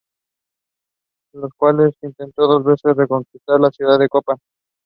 They decide to wait for Daryl and Frost to regroup with them.